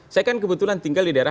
saya kan kebetulan tinggal di daerah